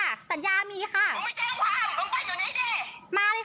มึงไม่แจ้งความมึงไปอยู่นี้ดิมาเลยค่ะ